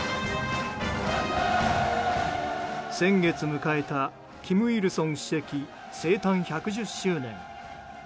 先月迎えた金日成主席生誕１１０周年。